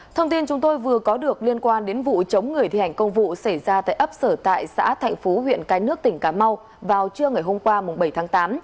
thông tin chúng tôi vừa có được liên quan đến vụ chống người thi hành công vụ xảy ra tại ấp sở tại xã thạnh phú huyện cái nước tỉnh cà mau vào trưa ngày hôm qua bảy tháng tám